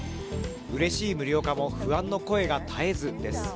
うれしい無料化も不安の声が絶えずです。